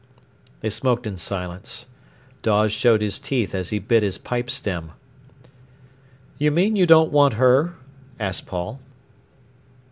They smoked in silence. Dawes showed his teeth as he bit his pipe stem. "You mean you don't want her?" asked Paul.